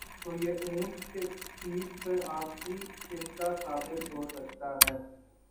تو یہ اونٹ کی پیٹھ پر آخری تنکا ثابت ہو سکتا ہے۔